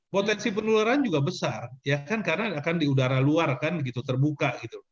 potensi penularan juga besar karena akan di udara luar terbuka